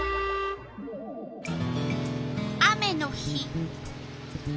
雨の日。